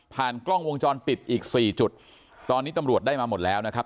กล้องวงจรปิดอีกสี่จุดตอนนี้ตำรวจได้มาหมดแล้วนะครับ